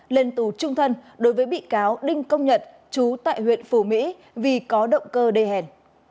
lên tù trung thân đối với bị cáo đinh công nhật chú tại huyện phù mỹ vì có động cơ đê hèn